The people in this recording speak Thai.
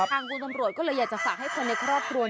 ทางคุณตำรวจก็เลยอยากจะฝากให้คนในครอบครัว